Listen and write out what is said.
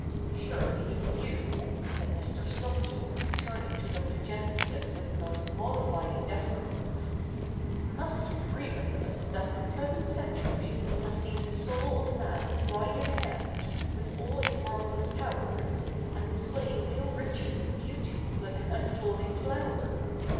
'Surely you,' said Mr. Stockton, turning to Dr. Jenkin son with the most mollifying deference, ' must agree with us that the present century has seen the soul of man widening out, with all its marvellous powers, and display ing new riches of beauty like an unfolding flower.